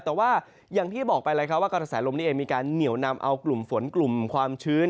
แต่ว่าอย่างที่บอกไปแล้วครับว่ากระแสลมนี้เองมีการเหนียวนำเอากลุ่มฝนกลุ่มความชื้น